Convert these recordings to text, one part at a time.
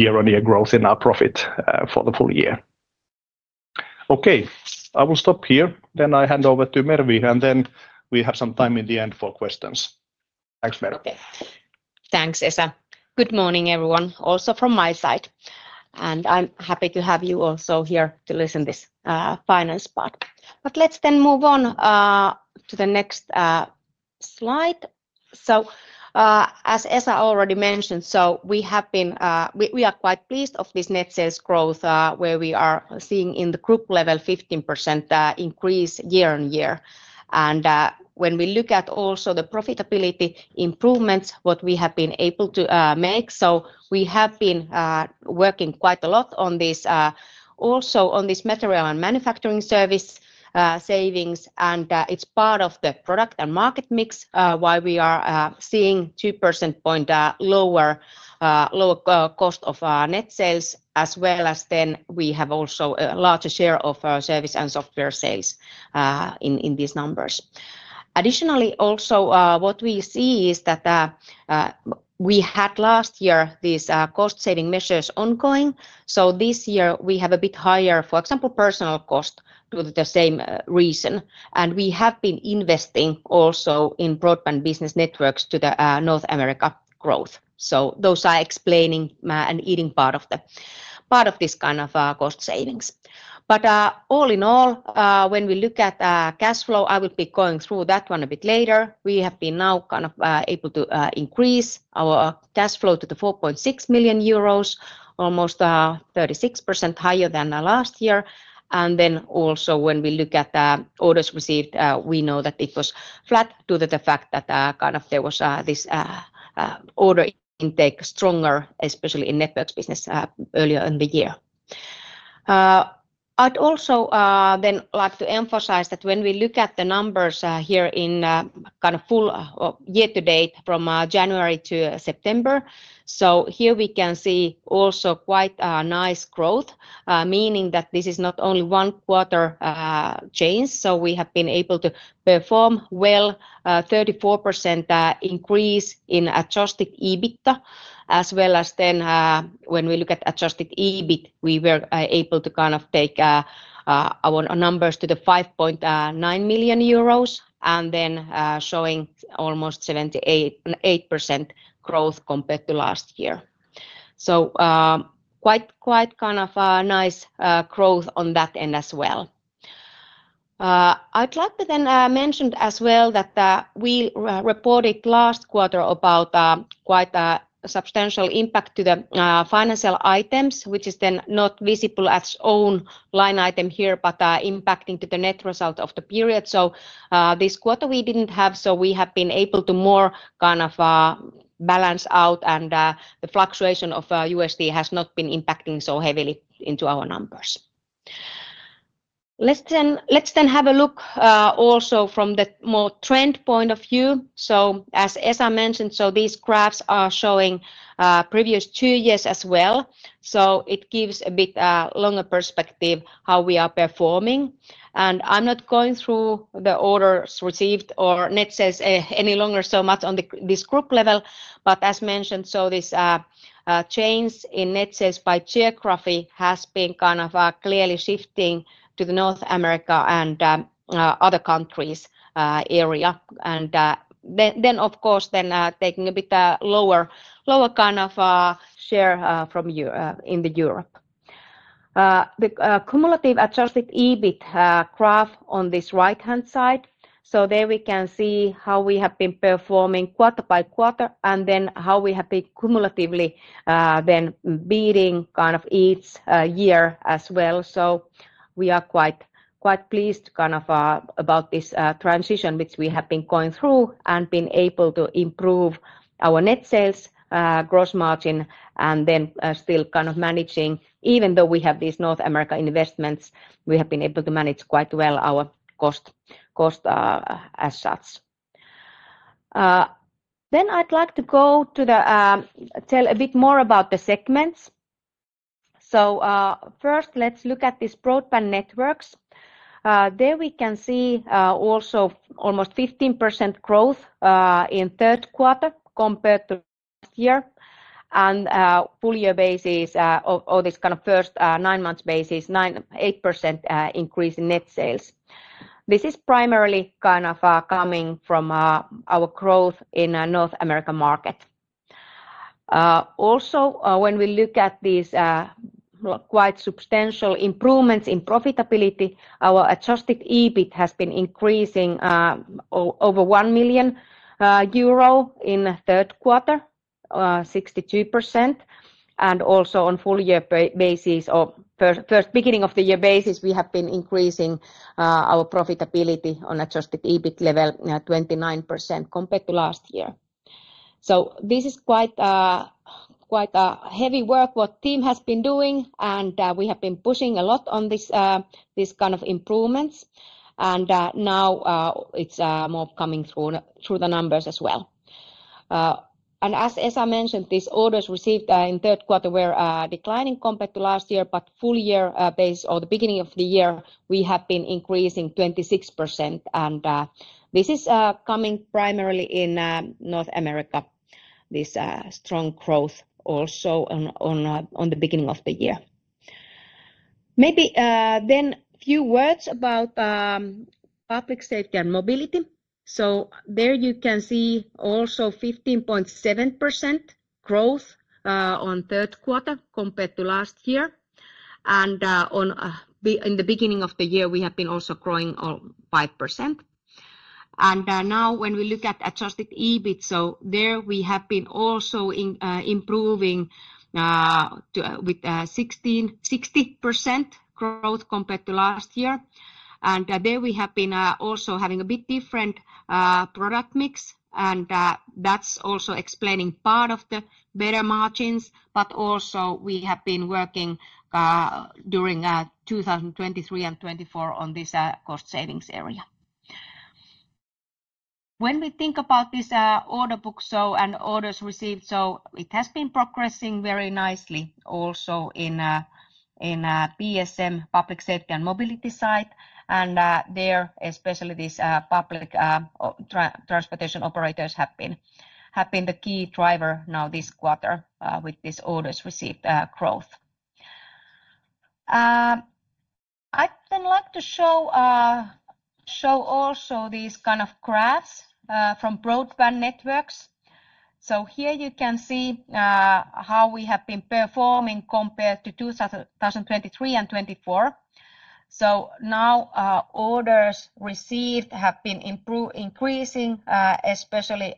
Year-on-year growth in our profit for the full year. Okay, I will stop here. I hand over to Mervi, and we have some time in the end for questions. Thanks, Mervi. Thanks, Esa. Good morning, everyone, also from my side. I'm happy to have you also here to listen to this finance part. Let's then move on to the next slide. As Esa already mentioned, we have been, we are quite pleased with this net sales growth where we are seeing in the group level 15% increase year on year. When we look at also the profitability improvements, what we have been able to make, we have been working quite a lot on this, also on this material and manufacturing service savings, and it's part of the product and market mix, why we are seeing 2 percentage points lower cost of net sales, as well as then we have also a larger share of our service and software sales in these numbers. Additionally, also what we see is that we had last year these cost-saving measures ongoing. This year we have a bit higher, for example, personnel cost for the same reason. We have been investing also in broadband business networks to the North America growth. Those are explaining and eating part of this kind of cost savings. All in all, when we look at cash flow, I will be going through that one a bit later. We have been now kind of able to increase our cash flow to 4.6 million euros, almost 36% higher than last year. When we look at the orders received, we know that it was flat due to the fact that there was this order intake stronger, especially in networks business earlier in the year. I'd also like to emphasize that when we look at the numbers here in full year-to-date from January to September, we can see also quite a nice growth, meaning that this is not only one quarter change. We have been able to perform well, 34% increase in adjusted EBITDA, as well as then when we look at adjusted EBIT, we were able to take our numbers to 5.9 million euros and then showing almost 78% growth compared to last year. Quite kind of nice growth on that end as well. I'd like to then mention as well that we reported last quarter about quite a substantial impact to the financial items, which is then not visible as own line item here, but impacting to the net result of the period. This quarter we didn't have, so we have been able to more kind of balance out and the fluctuation of USD has not been impacting so heavily into our numbers. Let's then have a look also from the more trend point of view. As Esa mentioned, these graphs are showing previous two years as well. It gives a bit longer perspective how we are performing. I'm not going through the orders received or net sales any longer so much on this group level, but as mentioned, this change in net sales by geography has been kind of clearly shifting to North America and other countries area. Of course, then taking a bit lower kind of share from you in Europe. The cumulative adjusted EBIT graph on this right-hand side, there we can see how we have been performing quarter by quarter and then how we have been cumulatively then beating kind of each year as well. We are quite pleased kind of about this transition which we have been going through and been able to improve our net sales, gross margin, and then still kind of managing, even though we have these North America investments, we have been able to manage quite well our cost as such. I'd like to go to the, tell a bit more about the segments. First, let's look at these broadband networks. There we can see also almost 15% growth in third quarter compared to last year. On a full-year basis or this kind of first nine months basis, 8% increase in net sales. This is primarily kind of coming from our growth in North America market. Also, when we look at these quite substantial improvements in profitability, our adjusted EBIT has been increasing over 1 million euro in third quarter, 62%. Also, on full-year basis or first beginning of the year basis, we have been increasing our profitability on adjusted EBIT level 29% compared to last year. This is quite a heavy work what team has been doing and we have been pushing a lot on this kind of improvements. Now it's more coming through the numbers as well. As Esa mentioned, these orders received in third quarter were declining compared to last year, but full-year base or the beginning of the year we have been increasing 26%. This is coming primarily in North America, this strong growth also on the beginning of the year. Maybe then a few words about public safety and mobility. There you can see also 15.7% growth on third quarter compared to last year. In the beginning of the year we have been also growing 5%. Now when we look at adjusted EBIT, there we have been also improving with 60% growth compared to last year. There we have been also having a bit different product mix, and that's also explaining part of the better margins, but also we have been working during 2023 and 2024 on this cost savings area. When we think about this order book and orders received, it has been progressing very nicely also in PSM, public safety and mobility side. There especially these public transportation operators have been the key driver now this quarter with this orders received growth. I'd then like to show. Also these kind of graphs from broadband networks. Here you can see how we have been performing compared to 2023 and 2024. Orders received have been increasing, especially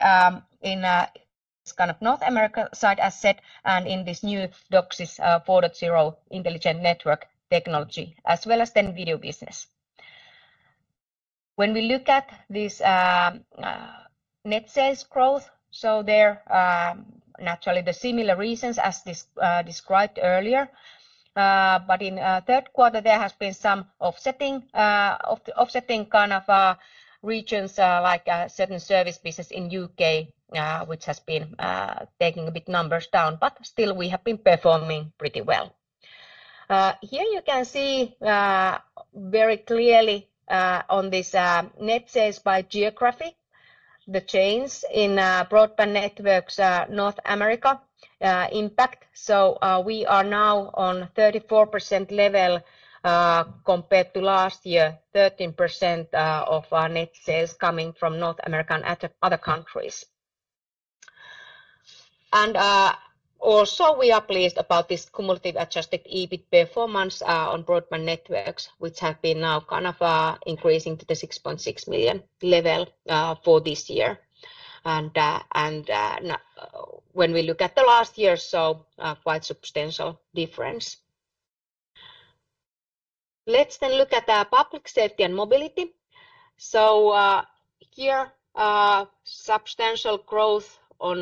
in this kind of North America side as said, and in this new DOCSIS 4.0 intelligent network technology, as well as then video business. When we look at this net sales growth, there are naturally the similar reasons as described earlier. In third quarter there has been some offsetting regions like certain service business in the U.K., which has been taking a bit numbers down, but still we have been performing pretty well. Here you can see very clearly on this net sales by geography, the change in broadband networks North America impact. We are now on 34% level compared to last year, 13% of our net sales coming from North America and other countries. Also we are pleased about this cumulative adjusted EBIT performance on broadband networks, which have been now kind of increasing to the 6.6 million level for this year. When we look at the last year, quite substantial difference. Let's then look at public safety and mobility. Here, substantial growth on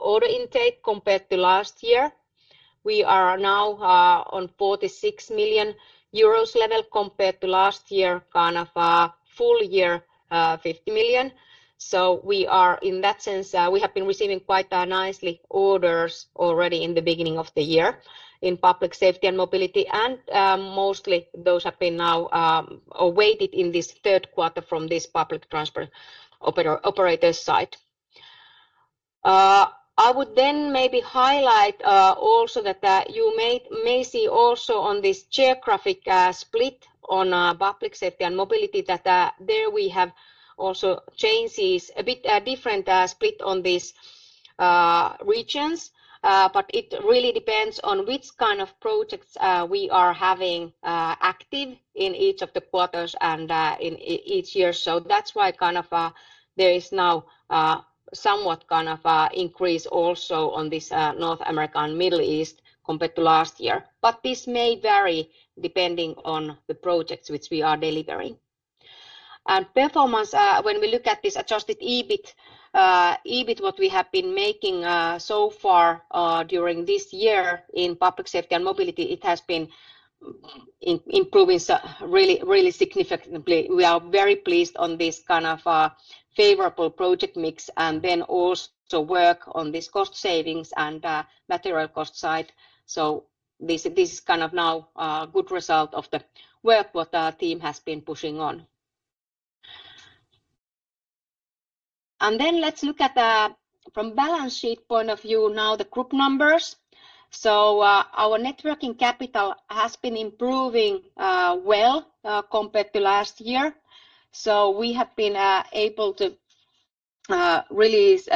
order intake compared to last year. We are now on 46 million euros level compared to last year, kind of full year 50 million. In that sense, we have been receiving quite nicely orders already in the beginning of the year in public safety and mobility. Mostly those have been now awaited in this third quarter from this public transport operator side. I would then maybe highlight also that you may see also on this geographic split on public safety and mobility that there we have also changes, a bit different split on these regions. It really depends on which kind of projects we are having active in each of the quarters and in each year. That's why kind of there is now somewhat kind of increase also on this North America and Middle East compared to last year. This may vary depending on the projects which we are delivering. Performance, when we look at this adjusted EBIT, what we have been making so far during this year in public safety and mobility, it has been improving really significantly. We are very pleased on this kind of favorable project mix and then also work on this cost savings and material cost side. This is kind of now a good result of the work what the team has been pushing on. Let's look at the from balance sheet point of view now the group numbers. Our net working capital has been improving well compared to last year. We have been able to release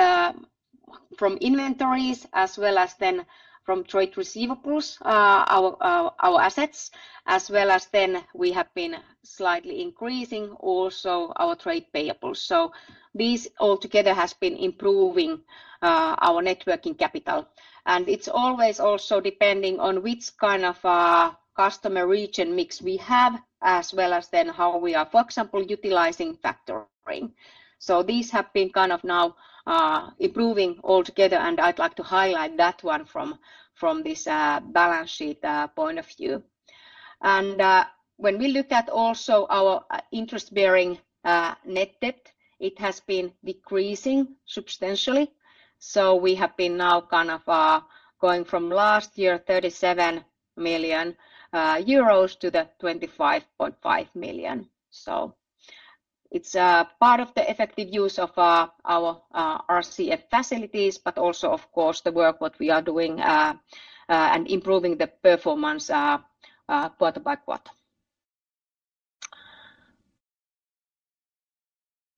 from inventories as well as then from trade receivables our assets, as well as then we have been slightly increasing also our trade payables. These all together have been improving our net working capital. It is also depending on which kind of customer region mix we have, as well as how we are, for example, utilizing factoring. These have been improving all together. I would like to highlight that from this balance sheet point of view. When we look at also our interest-bearing net debt, it has been decreasing substantially. We have now gone from last year 37 million euros to 25.5 million. It is part of the effective use of our RCF facilities, but also of course the work we are doing and improving the performance quarter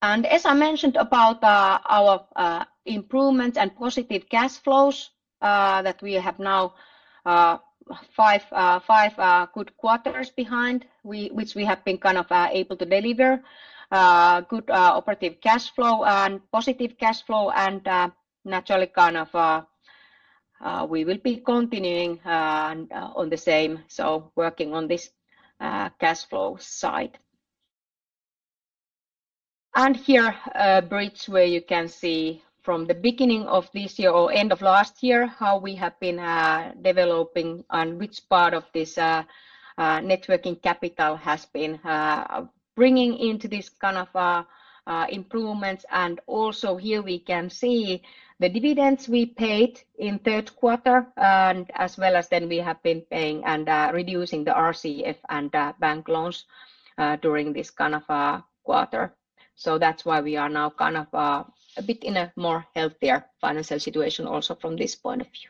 by quarter. As I mentioned about our improvement and positive cash flows, we have now five good quarters behind, which we have been able to deliver good operative cash flow and positive cash flow. Naturally, we will be continuing on the same, working on this cash flow side. Here is a bridge where you can see from the beginning of this year or end of last year how we have been developing and which part of this net working capital has been bringing into these improvements. Also here we can see the dividends we paid in the third quarter, as well as that we have been paying and reducing the RCF and bank loans during this quarter. That is why we are now in a bit more healthy financial situation also from this point of view.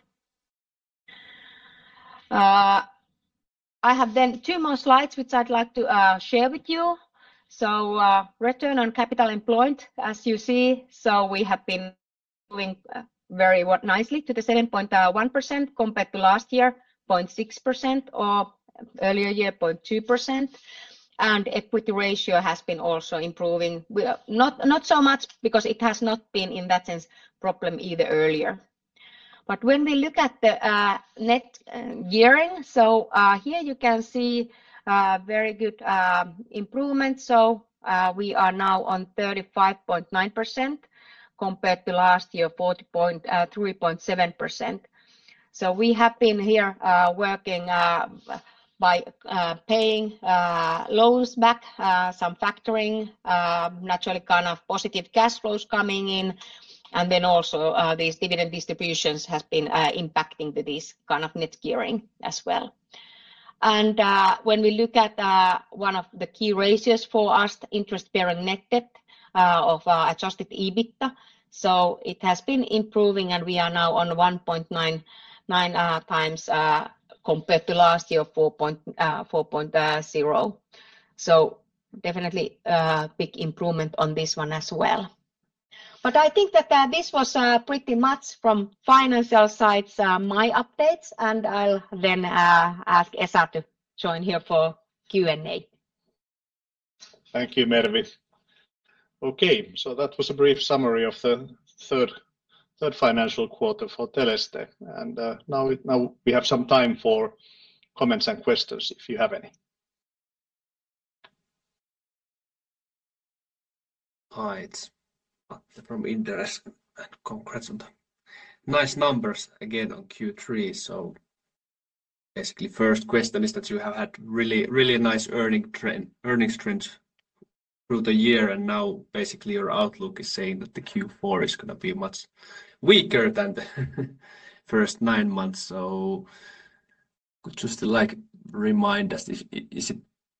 I have then two more slides which I would like to share with you. Return on capital employed, as you see, we have been doing very nicely to the 7.1% compared to last year, 0.6%, or earlier year, 0.2%. Equity ratio has also been improving, not so much because it has not been in that sense a problem either earlier. When we look at the net gearing, here you can see very good improvement. We are now on 35.9% compared to last year 43.7%. We have been working by paying loans back, some factoring, naturally positive cash flows coming in, and then also these dividend distributions have been impacting this net gearing as well. When we look at one of the key ratios for us, interest-bearing net debt of adjusted EBITDA, it has been improving and we are now on 1.9 times compared to last year 4.0. Definitely a big improvement on this one as well. I think that this was pretty much from financial sides my updates. I will then ask Esa to join here for Q&A. Thank you, Mervi. That was a brief summary of the third financial quarter for Teleste. Now we have some time for comments and questions if you have any. Hi, it's Martin from Interest and congrats on the nice numbers again on Q3. Basically, first question is that you have had really nice earnings trends throughout the year and now basically your outlook is saying that the Q4 is going to be much weaker than the first nine months. Could you still like remind us, is it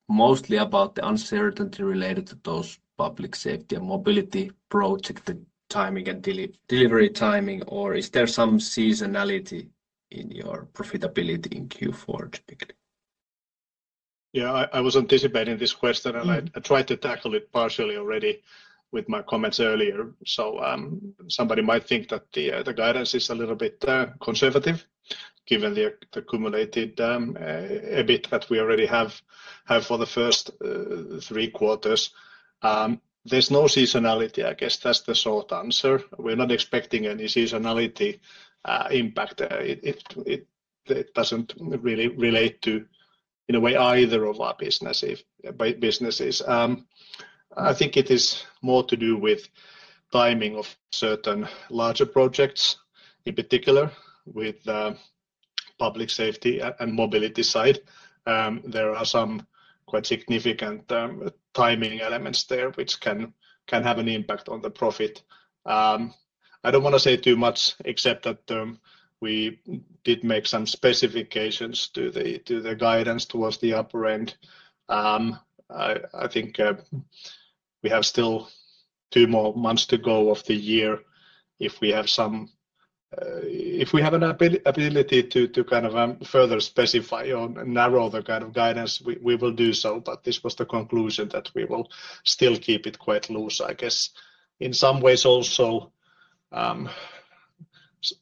mostly about the uncertainty related to those Public Safety and Mobility project, the timing and delivery timing, or is there some seasonality in your profitability in Q4 typically? Yeah, I was anticipating this question and I tried to tackle it partially already with my comments earlier. Somebody might think that the guidance is a little bit conservative given the accumulated EBIT that we already have for the first three quarters. There's no seasonality, I guess that's the short answer. We're not expecting any seasonality impact. It doesn't really relate to, in a way, either of our businesses. I think it is more to do with timing of certain larger projects, in particular with Public Safety and Mobility side. There are some quite significant timing elements there which can have an impact on the profit. I don't want to say too much except that we did make some specifications to the guidance towards the upper end. I think we have still two more months to go of the year. If we have some, if we have an ability to kind of further specify or narrow the kind of guidance, we will do so. This was the conclusion that we will still keep it quite loose, I guess. In some ways also,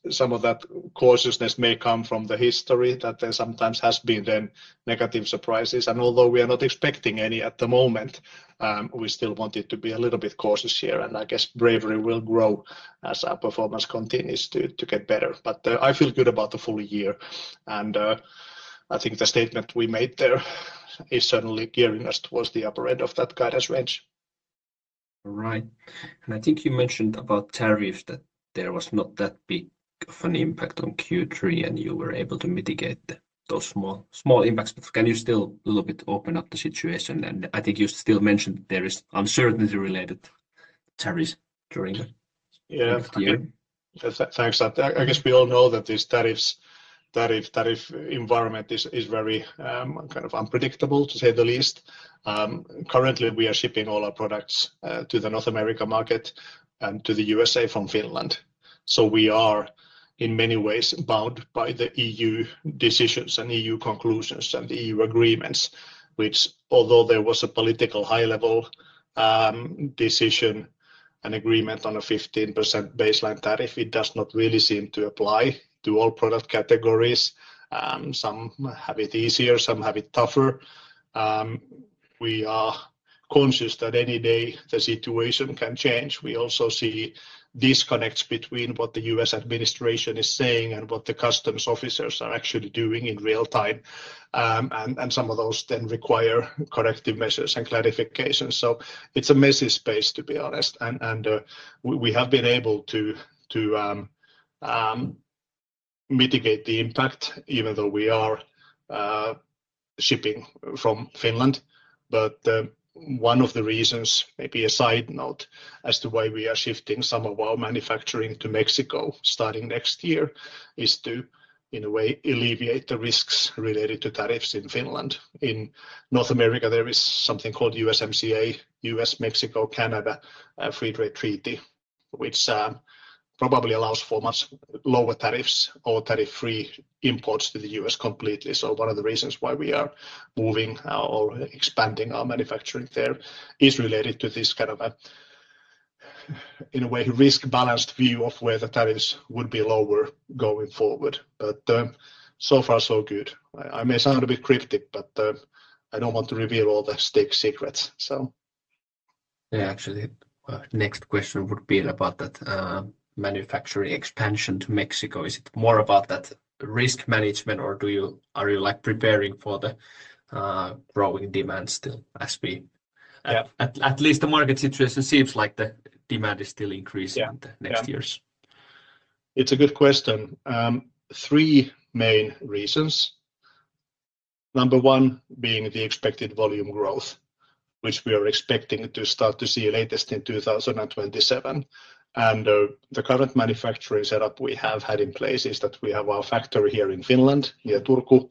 some of that cautiousness may come from the history that there sometimes has been then negative surprises. Although we are not expecting any at the moment, we still want it to be a little bit cautious here. I guess bravery will grow as our performance continues to get better. I feel good about the full year. I think the statement we made there is certainly gearing us towards the upper end of that guidance range. All right. I think you mentioned about tariff that there was not that big of an impact on Q3 and you were able to mitigate those small impacts. Can you still a little bit open up the situation? I think you still mentioned that there is uncertainty related, tariffs during the year. Yeah, thanks. I guess we all know that this tariff environment is very kind of unpredictable, to say the least. Currently, we are shipping all our products to the North America market and to the USA from Finland. We are in many ways bound by the EU decisions and EU conclusions and the EU agreements, which, although there was a political high-level decision and agreement on a 15% baseline tariff, it does not really seem to apply to all product categories. Some have it easier, some have it tougher. We are conscious that any day the situation can change. We also see disconnects between what the U.S. administration is saying and what the customs officers are actually doing in real time. Some of those then require corrective measures and clarifications. It is a messy space, to be honest. We have been able to mitigate the impact even though we are shipping from Finland. One of the reasons, maybe a side note as to why we are shifting some of our manufacturing to Mexico starting next year, is to, in a way, alleviate the risks related to tariffs in Finland. In North America, there is something called USMCA, U.S.-Mexico-Canada Free Trade Treaty, which probably allows for much lower tariffs or tariff-free imports to the U.S. completely. One of the reasons why we are moving or expanding our manufacturing there is related to this kind of a, in a way, risk-balanced view of where the tariffs would be lower going forward. So far, so good. I may sound a bit cryptic, but I do not want to reveal all the steak secrets, so. Yeah, actually, next question would be about that. Manufacturing expansion to Mexico. Is it more about that risk management, or are you like preparing for the growing demand still as we, at least the market situation seems like the demand is still increasing in the next years? It is a good question. Three main reasons. Number one being the expected volume growth, which we are expecting to start to see latest in 2027. The current manufacturing setup we have had in place is that we have our factory here in Finland, near Turku.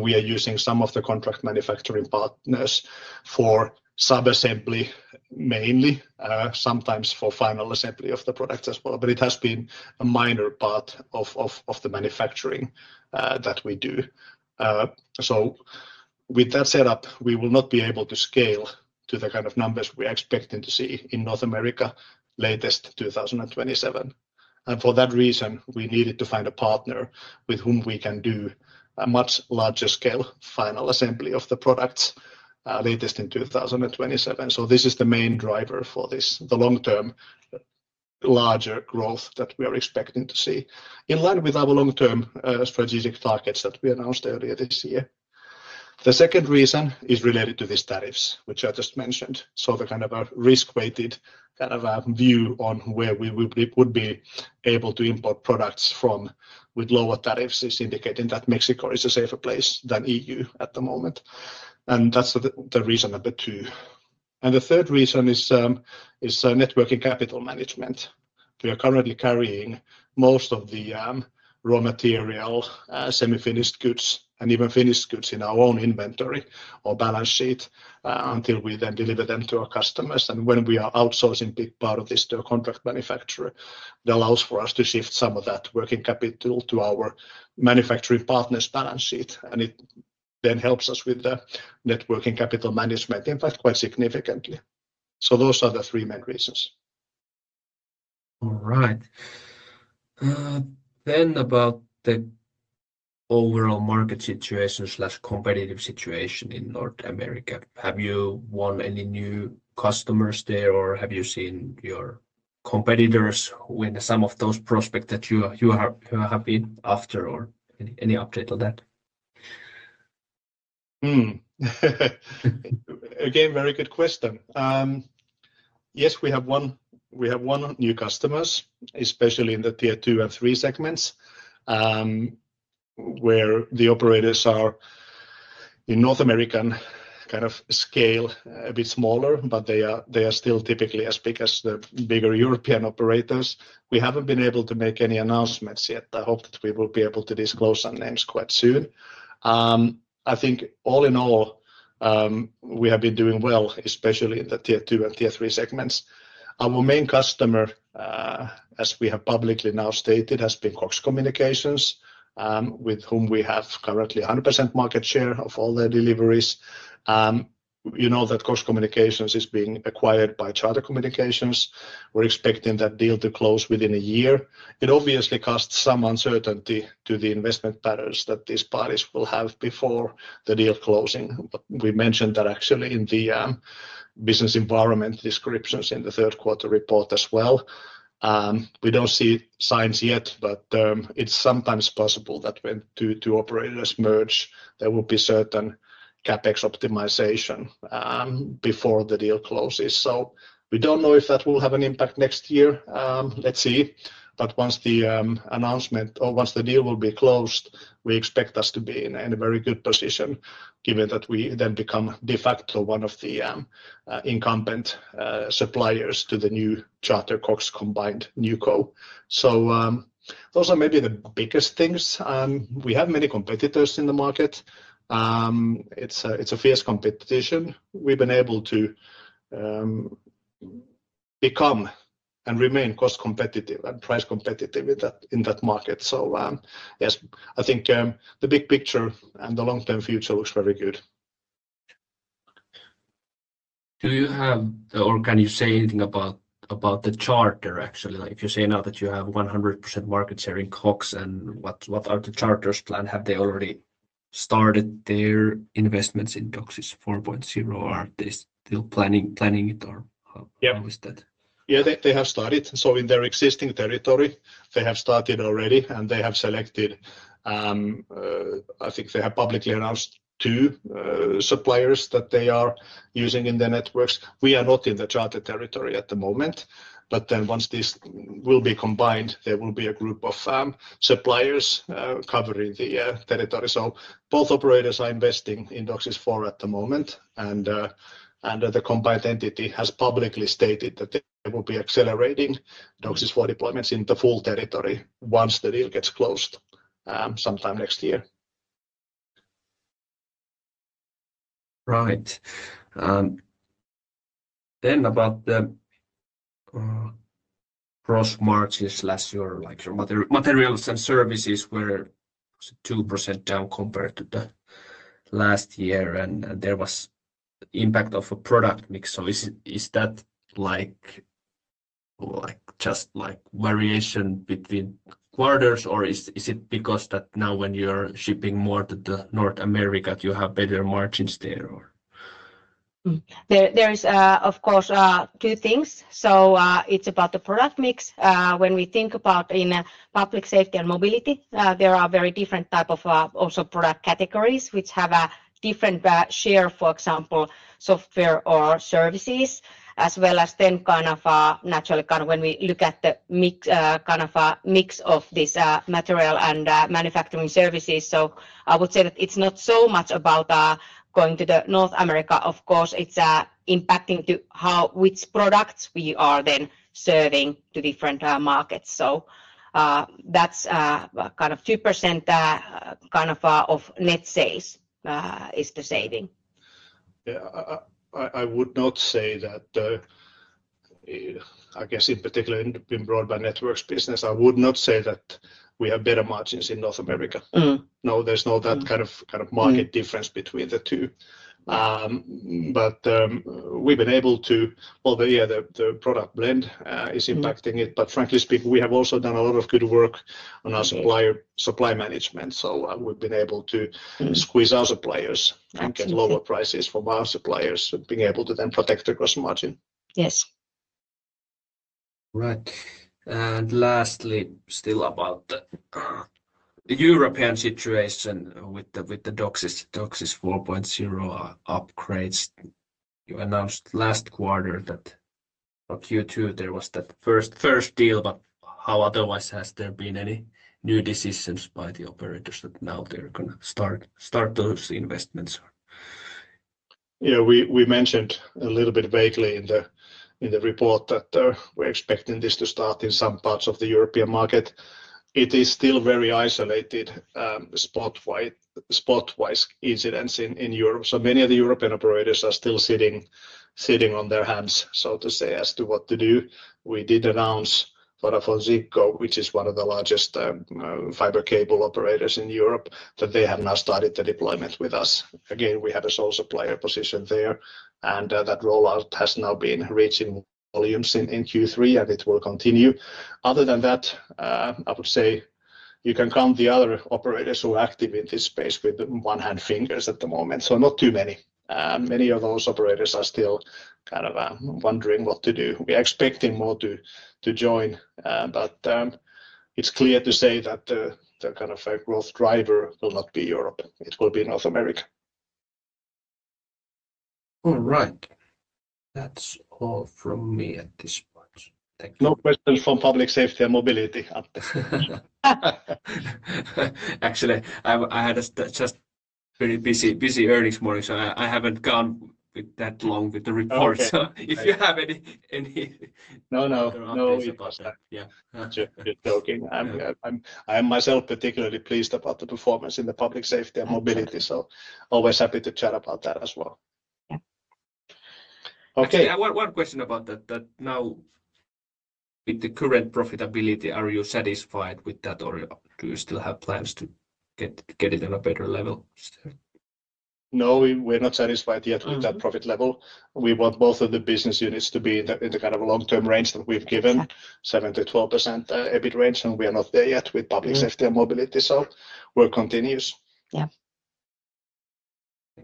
We are using some of the contract manufacturing partners for sub-assembly mainly, sometimes for final assembly of the products as well. It has been a minor part of the manufacturing that we do. With that setup, we will not be able to scale to the kind of numbers we are expecting to see in North America latest 2027. For that reason, we needed to find a partner with whom we can do a much larger scale final assembly of the products latest in 2027. This is the main driver for this, the long-term, larger growth that we are expecting to see in line with our long-term strategic targets that we announced earlier this year. The second reason is related to these tariffs, which I just mentioned. The kind of a risk-weighted kind of view on where we would be able to import products from with lower tariffs is indicating that Mexico is a safer place than EU at the moment. That is the reason number two. The third reason is networking capital management. We are currently carrying most of the raw material, semi-finished goods, and even finished goods in our own inventory or balance sheet until we then deliver them to our customers. When we are outsourcing a big part of this to a contract manufacturer, that allows for us to shift some of that working capital to our manufacturing partner's balance sheet. It then helps us with the net working capital management, in fact, quite significantly. Those are the three main reasons. All right. About the overall market situation or competitive situation in North America. Have you won any new customers there, or have you seen your competitors win some of those prospects that you have been after, or any update on that? Again, very good question. Yes, we have won new customers, especially in the tier two and three segments, where the operators are, in North American kind of scale, a bit smaller, but they are still typically as big as the bigger European operators. We haven't been able to make any announcements yet. I hope that we will be able to disclose some names quite soon. I think all in all, we have been doing well, especially in the tier two and tier three segments. Our main customer, as we have publicly now stated, has been Cox Communications, with whom we have currently 100% market share of all their deliveries. You know that Cox Communications is being acquired by Charter Communications. We're expecting that deal to close within a year. It obviously caused some uncertainty to the investment patterns that these parties will have before the deal closing. We mentioned that actually in the business environment descriptions in the third quarter report as well. We don't see signs yet, but it's sometimes possible that when two operators merge, there will be certain CapEx optimization before the deal closes. We don't know if that will have an impact next year. Let's see. Once the announcement or once the deal will be closed, we expect us to be in a very good position given that we then become de facto one of the incumbent suppliers to the new Charter Cox combined New Co. Those are maybe the biggest things. We have many competitors in the market. It's a fierce competition. We've been able to become and remain cost competitive and price competitive in that market. Yes, I think the big picture and the long-term future looks very good. Do you have or can you say anything about the Charter actually? If you say now that you have 100% market share in Cox and what are the Charter's plans, have they already started their investments in DOCSIS 4.0 or are they still planning it or how is that? Yeah, they have started. In their existing territory, they have started already and they have selected, I think they have publicly announced, two suppliers that they are using in their networks. We are not in the Charter territory at the moment. Once this will be combined, there will be a group of suppliers covering the territory. Both operators are investing in DOCSIS 4.0 at the moment. The combined entity has publicly stated that they will be accelerating DOCSIS 4.0 deployments in the full territory once the deal gets closed sometime next year. Right. About the cross-market, your materials and services were 2% down compared to last year and there was impact of a product mix. Is that just variation between quarters or is it because that now when you're shipping more to North America you have better margins there? There is, of course, two things. It's about the product mix. When we think about in Public Safety and Mobility, there are very different types of also product categories which have a different share, for example, software or services, as well as then kind of naturally kind of when we look at the kind of mix of this material and manufacturing services. I would say that it's not so much about going to North America. Of course, it's impacting to which products we are then serving to different markets. That kind of 2% of net sales is the saving. I would not say that. I guess in particular in Broadband Networks business, I would not say that we have better margins in North America. No, there's no that kind of market difference between the two. We've been able to, although yeah, the product blend is impacting it. But frankly speaking, we have also done a lot of good work on our supply management. We've been able to squeeze our suppliers and get lower prices from our suppliers, being able to then protect the gross margin. Yes. All right. Lastly, still about the European situation with the DOCSIS 4.0 upgrades. You announced last quarter that Q2 there was that first deal, but how otherwise has there been any new decisions by the operators that now they're going to start those investments? Yeah, we mentioned a little bit vaguely in the report that we're expecting this to start in some parts of the European market. It is still very isolated, spotwise incidents in Europe. Many of the European operators are still sitting on their hands, so to say, as to what to do. We did announce VodafoneZiggo, which is one of the largest fiber cable operators in Europe, that they have now started the deployment with us. Again, we have a sole supplier position there. That rollout has now been reaching volumes in Q3, and it will continue. Other than that, I would say you can count the other operators who are active in this space with one hand fingers at the moment. Not too many. Many of those operators are still kind of wondering what to do. We are expecting more to join, but it's clear to say that the kind of growth driver will not be Europe. It will be North America. All right. That's all from me at this point. Thank you. No questions from Public Safety and Mobility. Actually, I had a just very busy earnings morning, so I haven't gone that long with the report. If you have any. No, no, no worries about that. Yeah, just joking. I am myself particularly pleased about the performance in the public safety and mobility. Always happy to chat about that as well. Okay. One question about that. Now, with the current profitability, are you satisfied with that, or do you still have plans to get it on a better level? No, we're not satisfied yet with that profit level. We want both of the business units to be in the kind of long-term range that we've given, 7-12% EBIT range. We are not there yet with public safety and mobility. We're continuous. Yeah,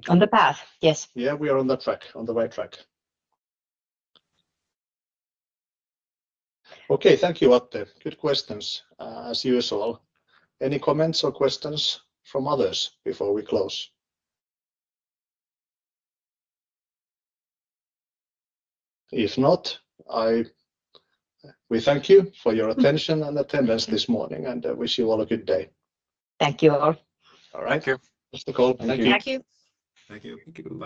on the path, yes. Yeah, we are on the track, on the right track. Okay, thank you, Atte. Good questions, as usual. Any comments or questions from others before we close? If not, we thank you for your attention and attendance this morning, and I wish you all a good day. Thank you all. All right. Thank you. Thank you.